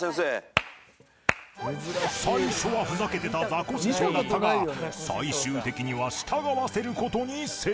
最初はふざけてたザコシショウだったが最終的には従わせる事に成功